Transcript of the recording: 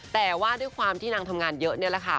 แต่ว่าด้วยความที่นางทำงานเยอะนี่แหละค่ะ